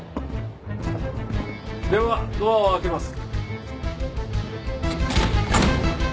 ではドアを開けます。